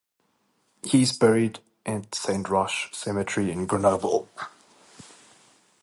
He is buried at Saint Roch Cemetery in Grenoble.